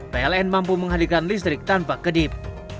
pln mampu menghadirkan listrik tanpa kedip